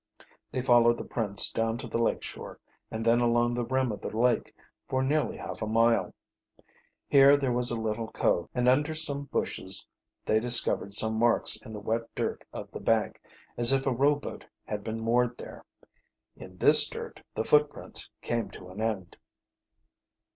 They followed the prints down to the lake shore, and then along the rim of the lake for nearly half a mile. Here there was a little cove, and under some bushes they discovered some marks in the wet dirt of the bank, as if a rowboat had been moored there. In this dirt the footprints came to an end.